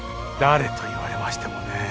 誰と言われましてもね。